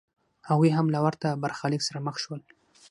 هغوی هم له ورته برخلیک سره مخ شول